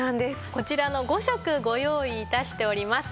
こちらの５色ご用意致しております。